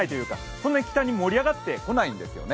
そんなに北に盛り上がってこないんですよね。